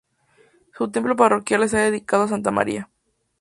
Su templo parroquial está dedicado a Santa María.